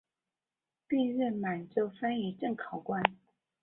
并任满洲翻译正考官。